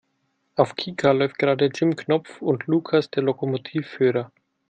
Auf Kika läuft gerade "Jim Knopf und Lukas der Lokomotivführer".